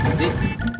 abisnya dua ratus cik